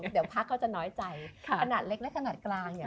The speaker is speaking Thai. เดี๋ยวพักเขาจะน้อยใจขนาดเล็กและขนาดกลางเนี่ย